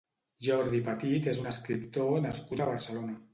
Jordi Petit és un escriptor nascut a Barcelona.